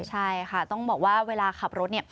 ใช่ค่ะต้องบอกว่าเวลาขับรถเนี่ย